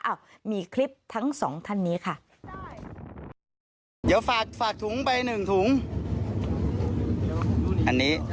อ้าวมีคลิปทั้งสองท่านนี้ค่ะ